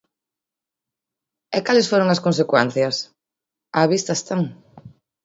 ¿E cales foron as consecuencias? Á vista están.